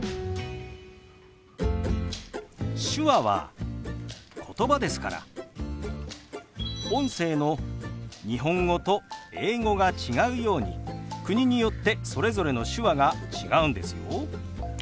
手話はことばですから音声の日本語と英語が違うように国によってそれぞれの手話が違うんですよ。